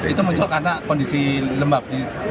itu muncul karena kondisi lembab